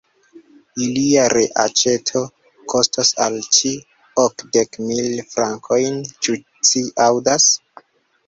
Ilia reaĉeto kostos al ci okdek mil frankojn, ĉu ci aŭdas?